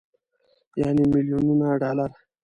يعنې ميليونونه ډالر.